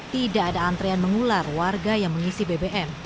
tidak ada antrean mengular warga yang mengisi bbm